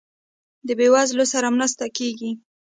د بیوزلو سره مرسته کیږي؟